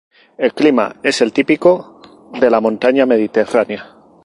El clima es el típico de la montaña mediterránea.